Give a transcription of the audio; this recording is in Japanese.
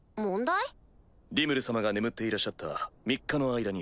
リムル様が眠っていらっしゃった３日の間に。